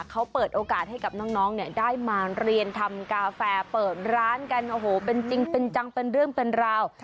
เขาเปิดโอกาสให้กับน้องเนี่ยได้มาเรียนทำกาแฟเปิดร้านกันโอ้โหเป็นจริงเป็นจังเป็นเรื่องเป็นราว